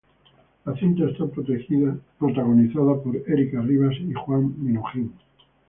La cinta está protagonizada por Erica Rivas y Juan Minujín